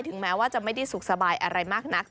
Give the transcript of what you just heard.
แม้ว่าจะไม่ได้สุขสบายอะไรมากนัก